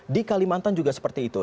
di kalimantan juga seperti itu